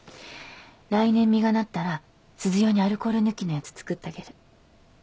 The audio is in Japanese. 来年実がなったらすず用にアルコール抜きのやつ作ってあげる。